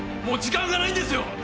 もう時間がないんですよ！